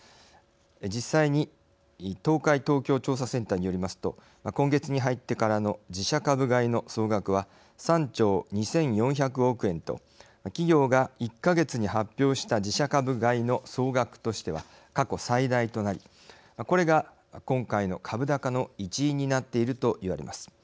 実際に東海東京調査センターによりますと今月に入ってからの自社株買いの総額は３兆２，４００億円と企業が１か月に発表した自社株買いの総額としては過去最大となりこれが今回の株高の一因になっていると言われます。